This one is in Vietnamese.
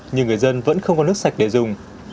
nhưng người dân vẫn không có nước sạch để dùng